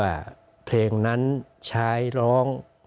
เพลงนั้นใช้ร้อง